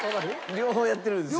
両方やってるんですよ